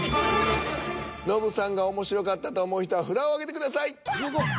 ノブさんが面白かったと思う人は札を挙げてください。